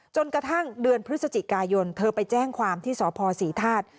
จนกระทั่งเดือนพฤศจิกายนเธอไปแจ้งความที่สพศรีธาตุ